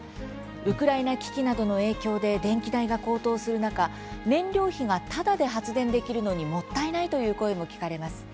ウクライナ危機などの影響で電気代が高騰する中燃料費が、ただで発電できるのにもったいないという声も聞かれます。